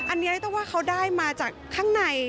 อันนี้ต้องว่าเขาได้มาจากข้างใน